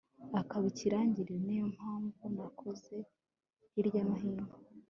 akaba ikirangirire. ni yo mpamvu nakoze hirya no hino